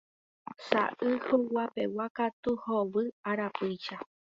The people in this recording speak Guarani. Saʼy huguapegua katu hovy arapýicha.